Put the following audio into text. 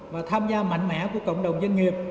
và tham gia mạnh mẽ của cộng đồng doanh nghiệp